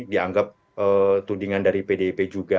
dianggap tudingan dari pdip juga